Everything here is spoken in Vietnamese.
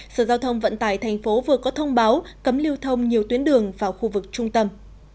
sở giao thông vận tải thành phố vừa có thông báo cấm lưu thông nhiều tuyến đường vào khu vực trung tâm